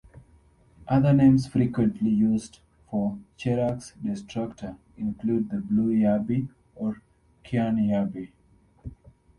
Other names frequently used for "Cherax destructor" include the blue yabby or cyan yabby.